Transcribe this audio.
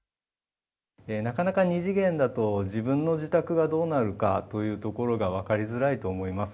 なかなか２次元だと、自分の自宅がどうなるかというところが分かりづらいと思います。